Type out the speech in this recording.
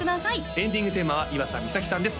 エンディングテーマは岩佐美咲さんです